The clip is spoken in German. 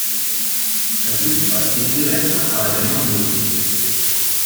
Das ist zwar indirekter, aber dennoch möglich.